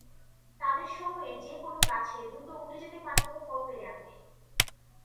তাদের সময়ে যে কোন গাছে দ্রুত উঠে যেতে পারতো ফল পেরে আনতে।